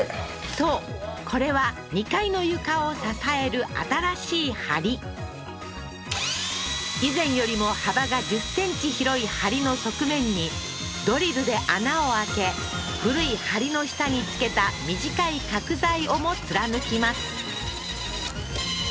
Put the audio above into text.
そうこれは２階の床を支える新しい梁以前よりも幅が１０ｃｍ広い梁の側面にドリルで穴を開け古い梁の下に付けた短い角材をも貫きます